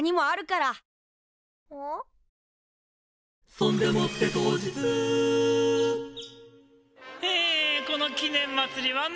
「そんでもって当日」えこの記念まつりはね